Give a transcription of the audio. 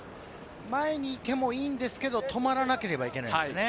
前にいてもいいんですけれど、止まらなければいけないんですよね。